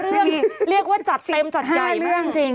๑๕เรื่องเรียกว่าจัดเต็มจัดใหญ่มั่นจริง